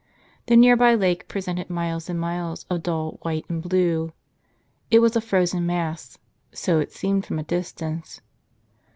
The nearby lake presented miles and miles of dull white and blue. It was a frozen mass — so it seemed from a distance.